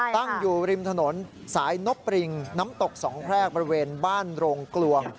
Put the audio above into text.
ตั้งอยู่ริมถนนสายนบปริงน้ำตกสองแพรกบริเวณบ้านโรงกลวง